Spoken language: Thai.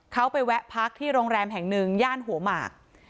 เขาไปแวะพักที่โรงแรมแห่งหนึ่งย่านหัวหมาก